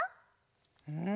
うん？